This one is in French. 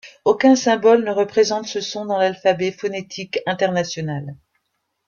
Aucun symbole ne représente ce son dans l'alphabet phonétique international.